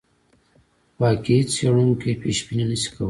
واقعي څېړونکی پیشبیني نه شي کولای.